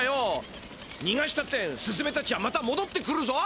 にがしたってスズメたちはまたもどってくるぞ？